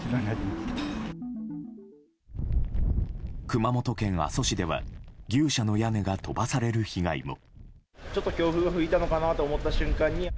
熊本県阿蘇市では牛舎の屋根が飛ばされる被害も。